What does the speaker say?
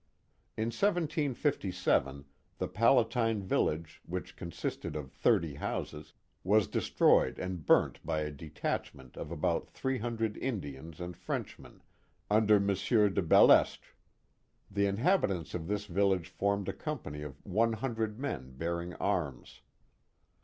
In 1757 the Palatine village, which consisted of thirty houses, was destroyed and burnt by a detachment of about three hundred Indians and Frenchmen under M. de Bellestre. The inhabitants of this village formed a company of one hun dred men bearing arms.